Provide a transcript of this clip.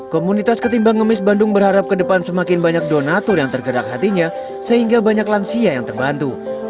komunitas ketimbang ngemis bandung berharap ke depan semakin banyak donatur yang tergerak hatinya sehingga banyak lansia yang terbantu